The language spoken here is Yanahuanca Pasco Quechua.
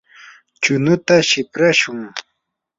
chunuta siprashun.